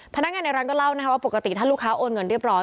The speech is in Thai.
พนักงานในร้านก็เล่านะคะว่าปกติถ้าลูกค้าโอนเงินเรียบร้อย